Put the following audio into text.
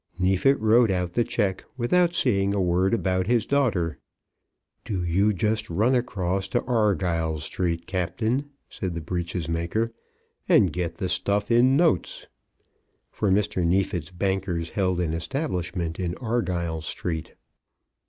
Neefit wrote out the cheque without saying a word about his daughter. "Do you just run across to Argyle Street, Captain," said the breeches maker, "and get the stuff in notes." For Mr. Neefit's bankers held an establishment in Argyle Street.